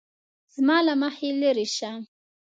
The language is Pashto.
زه له مخې لېرې شه!